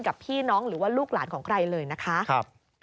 กับพี่น้องหรือว่าลูกหลานของใครเลยนะคะ